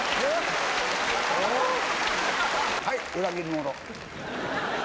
はい、裏切り者。